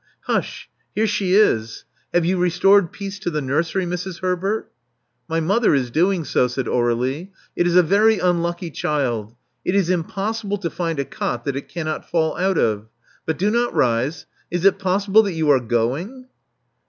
Hush I here she is. Have you restored peace to the nursery, Mrs. Herbert?" ''My mother is doing so," said Aur^lie. It is a very unlucky child. It is impossible to find a cot that it cannot fall out of. But do not rise. Is it possible that you are going?"